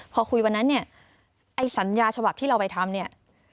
พอคุยวันนั้นเนี่ยไอ้สัญญาฉบับที่เราไปทำเนี่ย